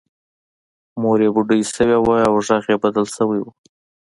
مور یې بوډۍ شوې وه او غږ یې بدل شوی و